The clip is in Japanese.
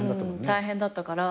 大変だったから。